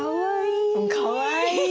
かわいい。